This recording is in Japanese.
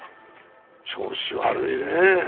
調子悪いね。